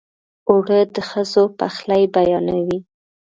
اوړه د ښځو پخلی بیانوي